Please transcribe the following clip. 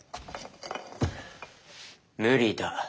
無理だ。